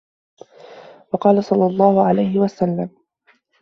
وَقَالَ صَلَّى اللَّهُ عَلَيْهِ وَسَلَّمَ